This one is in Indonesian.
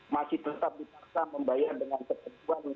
masih tetap ditaksa membayar dengan kesekuan